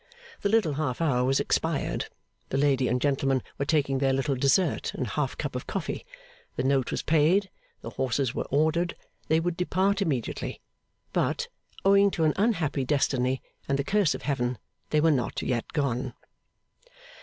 The little half hour was expired, the lady and gentleman were taking their little dessert and half cup of coffee, the note was paid, the horses were ordered, they would depart immediately; but, owing to an unhappy destiny and the curse of Heaven, they were not yet gone.